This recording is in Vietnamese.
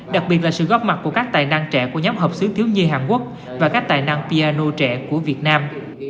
đặc biệt là sự góp mặt của các tài năng trẻ của nhóm hợp sứ thiếu nhi hàn quốc và các tài năng piano trẻ của việt nam